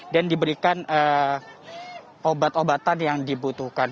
dan diberikan obat obatan yang dibutuhkan